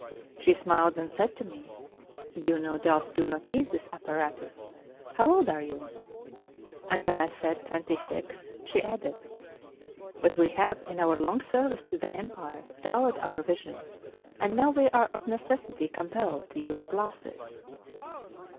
She smiled and said to me, "You, no doubt, do not need this apparatus! How old are you? " And when I said, " Twenty six," she added :*' But we have, in our long service to the empire, dulled our vision, and now we are of necessity compelled to use glasses."